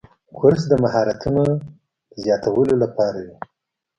کورس د مهارتونو زیاتولو لپاره وي.